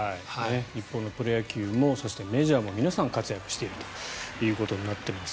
日本のプロ野球もそしてメジャーも皆さん、活躍しているということになっています。